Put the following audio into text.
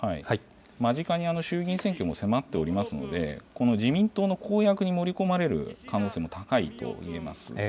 間近に衆議院選挙も迫っておりますので、自民党の公約に盛り込まれる可能性も高いといえます。